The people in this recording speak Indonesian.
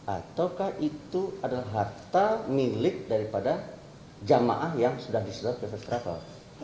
ataukah itu adalah harta milik daripada jamaah yang sudah disedot ke first travel